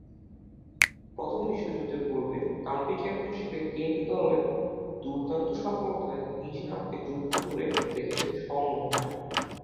প্রথম বিশ্বযুদ্ধের পূর্বে কাউন্টি চ্যাম্পিয়নশীপে কেন্ট দলের দূর্দান্ত সফলতায় নিজ নামকে যুক্ত করে রেখেছেন স্বমহিমায়।